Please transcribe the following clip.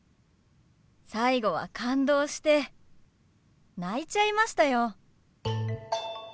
最後は感動して泣いちゃいましたよ。